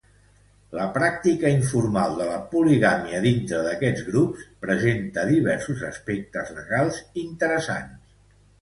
La pràctica informal de la poligàmia dintre d'aquests grups presenta diversos aspectes legals interessants.